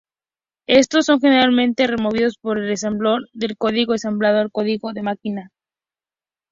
Estos son generalmente removidos, por el ensamblador, del código ensamblado a código de máquina.